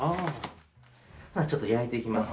ちょっと焼いていきます。